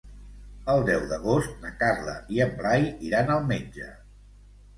El deu d'agost na Carla i en Blai iran al metge.